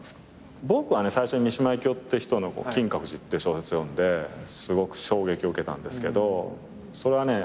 僕は最初に三島由紀夫って人の『金閣寺』って小説読んですごく衝撃を受けたんですけどそれはね